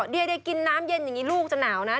เดี๋ยวได้กินน้ำเย็นอย่างนี้ลูกจะหนาวนะ